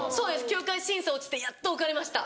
９回審査落ちてやっと受かりました。